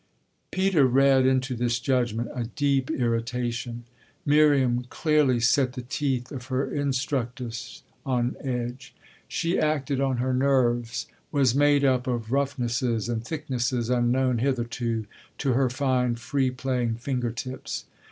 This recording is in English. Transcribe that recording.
Peter read into this judgement a deep irritation Miriam clearly set the teeth of her instructress on edge. She acted on her nerves, was made up of roughnesses and thicknesses unknown hitherto to her fine, free playing finger tips.